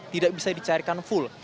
tidak bisa dicarikan full